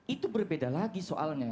itu berbeda lagi soalnya